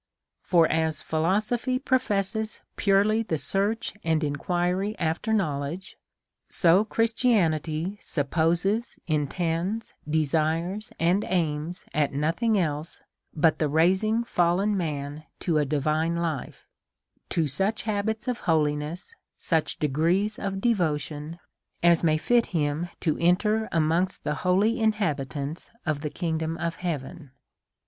For, as philosophy professes purely the search and inquiry after knowledge, so Christianity supposes, in tends, desires, and aims at nothing else but the raising fallen man to a divine life, to such habits of holiness, such degrees of devotion, as may fit him to enter amongst the holy inhabitants of the kingdom of heaven.